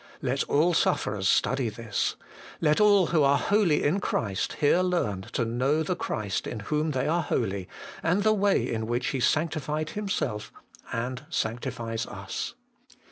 Let all sufferers study this. Let all who are 'holy in Christ' here learn to know the Christ In whom they are holy, and the way in which He sanctified Himself and sanctifies us.